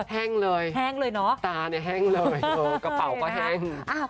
แห้งเลยตาแห้งเลยกระเป๋าก็แห้ง